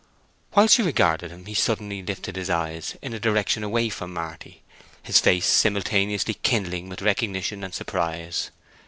While she regarded him he suddenly lifted his eyes in a direction away from Marty, his face simultaneously kindling with recognition and surprise.